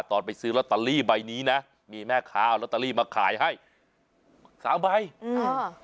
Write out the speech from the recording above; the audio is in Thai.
ตอนไปซื้อลอตเตอรี่ใบนี้นะมีแม่ค้าเอาลอตเตอรี่มาขายให้สามใบอืมอ่า